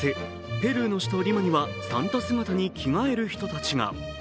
ペルーの首都リマにはサンタ姿に着替える人たちが。